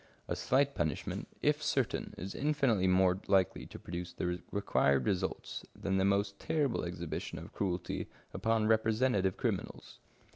A slight punishment, if certain, is infinitely more likely to produce the required results than the most terrible exhibition of cruelty upon representative criminals.